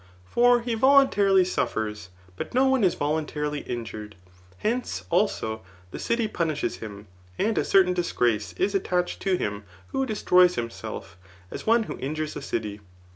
For he^ voluntarily suffers; but no one is voluntarily injured. Hence, also, the dty punishes him, and a certain disgrace is attached to him who destroys himself, as one who injures the dty.